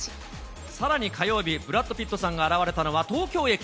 さらに火曜日、ブラッド・ピットさんが、現れたのは東京駅。